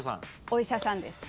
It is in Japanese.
お医者さんです。